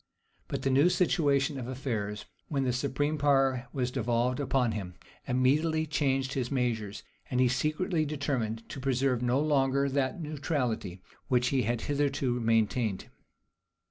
But the new situation of affairs, when the supreme power was devolved upon him, immediately changed his measures; and he secretly determined to preserve no longer that neutrality which he had hitherto maintained.